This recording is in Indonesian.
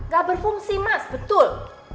gak berfungsi mas betul